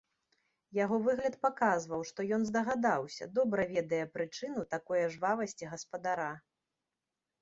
Яго выгляд паказваў, што ён здагадаўся, добра ведае прычыну такое жвавасці гаспадара.